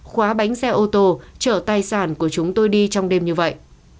khóa bánh xe ô tô chở tài sản của chúng tôi đi trong đêm như vậy